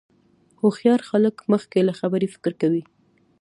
هوښیار خلک مخکې له خبرې فکر کوي.